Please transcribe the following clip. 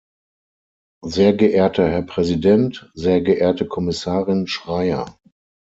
Sehr geehrter Herr Präsident, sehr geehrte Kommissarin Schreyer!